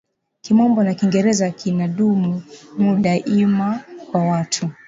Kimombo na kingereza kina dumu mu dunia kwa watu